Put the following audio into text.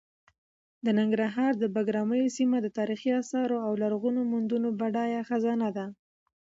د ننګرهار د بګراميو سیمه د تاریخي اثارو او لرغونو موندنو بډایه خزانه ده.